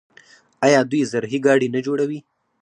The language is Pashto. آیا دوی زرهي ګاډي نه جوړوي؟